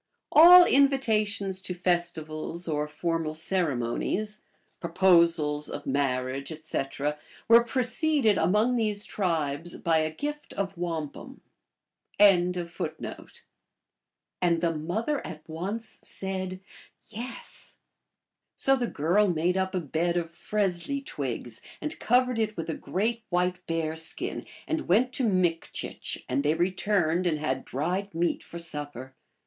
So 1 All invitations to festivals, or formal ceremonies, proposals >f marriage, etc., were preceded among these tribes by a gift of wampum. 54 THE ALGONQUIN LEGENDS. the girl made up a bed of fresli twigs and covered it with a great white bear skin, and went to Mikchich, and they returned and had dried meat for supper.